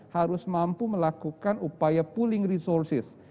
harus mampu melakukan upaya pooling resources